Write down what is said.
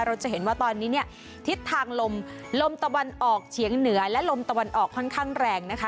เราจะเห็นว่าตอนนี้เนี่ยทิศทางลมลมตะวันออกเฉียงเหนือและลมตะวันออกค่อนข้างแรงนะคะ